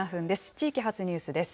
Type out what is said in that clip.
地域発ニュースです。